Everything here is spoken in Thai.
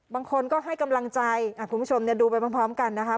บางคนก็ให้กำลังใจคุณผู้ชมดูไปพร้อมกันนะคะ